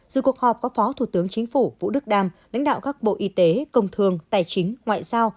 dù cuộc họp có phó thủ tướng chính phủ vũ đức đam lãnh đạo các bộ y tế công thương tài chính ngoại giao